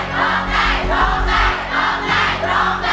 ครับ